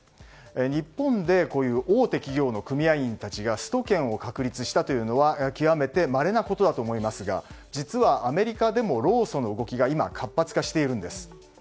日本で大手企業の組合員たちがスト権を確立したというのは極めてまれなことだと思いますが実は、アメリカでも労組の動きが今、活発化しています。